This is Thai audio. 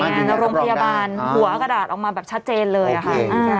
ต้องเป็นหน่วยงานโรงพยาบาลหัวกระดาษเอามาแบบชัดเจนเลยอ่ะคะ